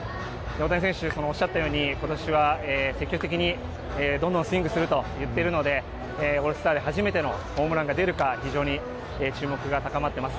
大谷選手、おっしゃったように、ことしは積極的にどんどんスイングすると言っているので、オールスターで初めてのホームランが出るか、非常に注目が高まっています。